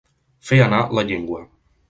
Fer anar la llengua.